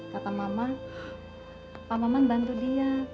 kata mama pak maman bantu dia